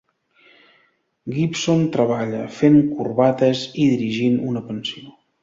Gibson treballava fent corbates i dirigint una pensió.